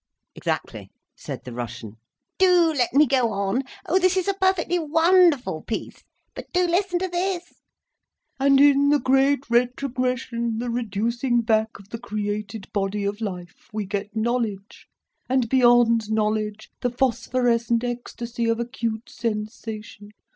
"Exactly!" said the Russian. "Do let me go on! Oh, this is a perfectly wonderful piece! But do listen to this. 'And in the great retrogression, the reducing back of the created body of life, we get knowledge, and beyond knowledge, the phosphorescent ecstasy of acute sensation.